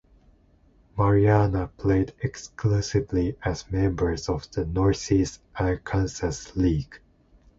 Marianna played exclusively as members of the Northeast Arkansas League.